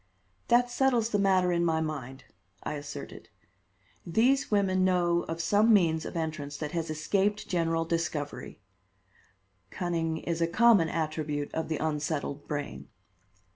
"That settles the matter in my mind," I asserted. "These women know of some means of entrance that has escaped general discovery. Cunning is a common attribute of the unsettled brain."